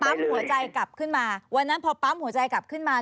หัวใจกลับขึ้นมาวันนั้นพอปั๊มหัวใจกลับขึ้นมา